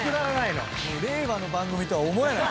令和の番組とは思えない。